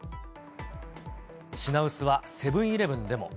品薄はセブンーイレブンでも。